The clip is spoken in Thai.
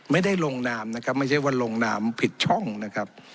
ไม่ได้ลงนามนะครับไม่ใช่ว่าลงนามผิดช่องนะครับ